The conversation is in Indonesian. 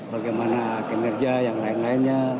bagaimana kinerja yang lain lainnya